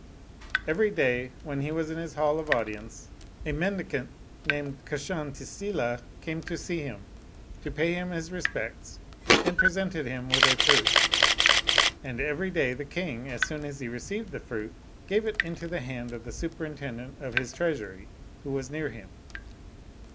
Every day, when he was in his hall of audience, a mendicant named Kshantisila came to him, to pay him his respects, and presented him with a fruit. And every day the king, as soon as he received the fruit, gave it into the hand of the superintendent of his treasury who was near him.